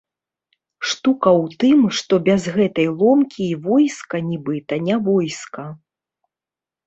Штука ў тым, што без гэтай ломкі і войска нібыта не войска.